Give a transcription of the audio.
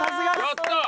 やった！